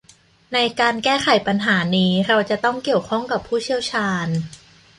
ในการแก้ไขปัญหานี้เราจะต้องเกี่ยวข้องกับผู้เชี่ยวชาญ